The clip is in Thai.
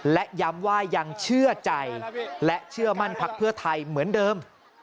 และย้ำว่ายังเชื่อใจและเชื่อมั่นพักเพื่อไทยเหมือนเดิม